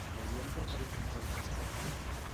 Haurien preferit uns altres còmputs?